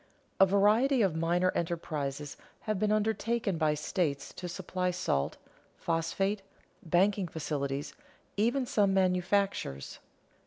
A variety of minor enterprises have been undertaken by states to supply salt, phosphate, banking facilities, even some manufactures.